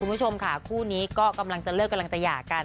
คุณผู้ชมค่ะคู่นี้ก็กำลังจะเลิกกำลังจะหย่ากัน